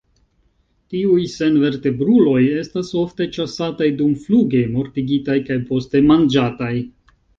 Tiuj senvertebruloj estas ofte ĉasataj dumfluge, mortigitaj kaj poste manĝataj.